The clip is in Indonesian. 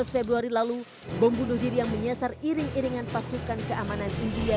tujuh belas februari lalu bom bunuh diri yang menyasar iring iringan pasukan keamanan india